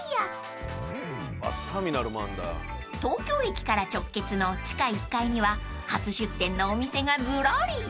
［東京駅から直結の地下１階には初出店のお店がずらり］